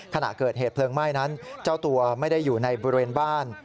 ขณะเกิดเหตุเพลิงไหม้นั้นเจ้าตัวไม่ได้อยู่ในบริเวณบ้าน